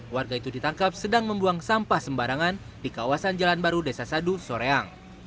warga itu ditangkap sedang membuang sampah sembarangan di kawasan jalan baru desa sadu soreang